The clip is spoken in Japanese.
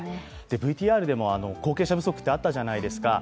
ＶＴＲでも後継者不足ってあったじゃないですか。